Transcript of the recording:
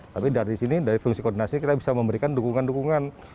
tapi dari sini dari fungsi koordinasi kita bisa memberikan dukungan dukungan